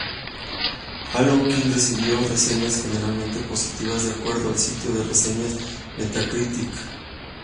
Hollow Knight recibió reseñas "generalmente positivas", de acuerdo al sitio de reseñas Metacritic.